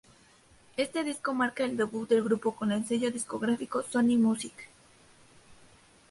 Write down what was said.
Este disco marca el debut del grupo con el sello discográfico Sony Music.